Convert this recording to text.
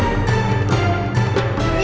jangan lupa joko tingkir